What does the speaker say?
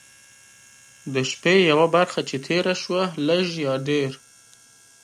د شپې یوه برخه چې تېره شوه لږ یا ډېر.